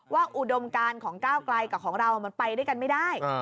อุดมการของก้าวไกลกับของเรามันไปด้วยกันไม่ได้